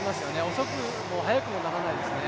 遅くも速くもならないですね。